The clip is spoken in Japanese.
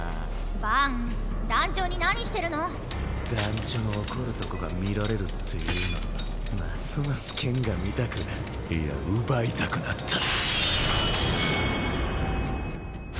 バン団長に何して団ちょの怒るとこが見られるっていうならますます剣が見たくいや奪いたくなったキン！